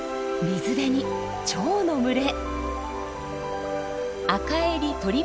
水辺にチョウの群れ。